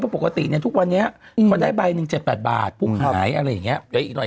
ปกติเนี่ยทุกวันนี้จะได้ใบหนึ่ง๗๘บาทผู้ขายอะไรอย่างเงี้ย